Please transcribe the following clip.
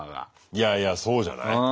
いやいやそうじゃない？